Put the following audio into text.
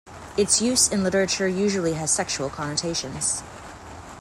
Its use in literature usually has sexual connotations.